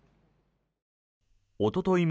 おととい